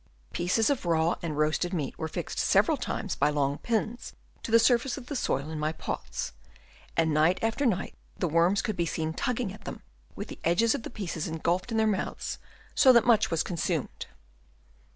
Pieces of raw and roasted meat were fixed several times by long pins to the surface of the soil in my pots, and night after night the worms could be seen tugging at them, with the edges of the pieces engulfed in their mouths, so that much was consumed.